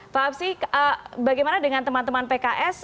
pak absi bagaimana dengan teman teman pks